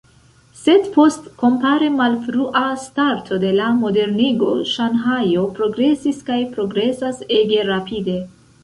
Sed post kompare malfrua starto de la modernigo Ŝanhajo progresis kaj progresas ege rapide.